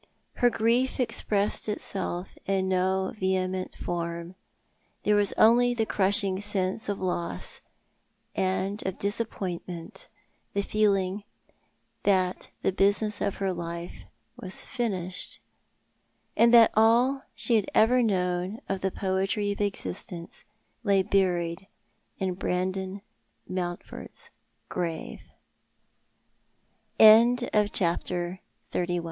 Her grief expressed itself in no vehcraeut form. There was only the crushing sense of loss and of dis appointment, the feeling that the business of her life was finished, and that all she had over known of the poetry of exibtence lay buried in Brandon Mountford'